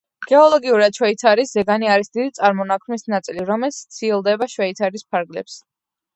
გეოლოგიურად შვეიცარიის ზეგანი არის დიდი წარმონაქმნის ნაწილი, რომელიც სცილდება შვეიცარიის ფარგლებს.